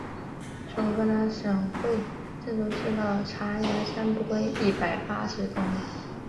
从河南省会郑州市到嵖岈山不过一百八十公里。